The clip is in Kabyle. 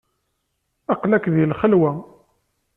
Aql-ak di lxelwa.